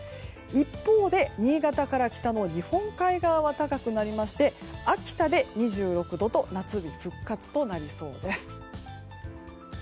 一方で、新潟から北の日本海側は高くなりまして、秋田で２６度と夏日復活となりそうです。